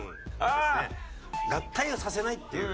合体をさせないっていう。